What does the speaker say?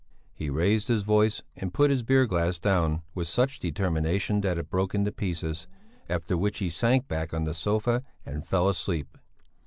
He raised his voice and put his beer glass down with such determination that it broke in pieces, after which he sank back on the sofa and fell asleep.